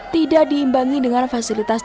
tidak diimbangi dengan fasilitasnya